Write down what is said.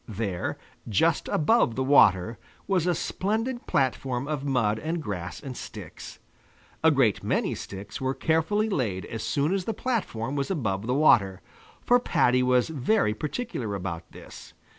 There, just above the water, was a splendid platform of mud and grass and sticks. A great many sticks were carefully laid as soon as the platform was above the water, for Paddy was very particular about this.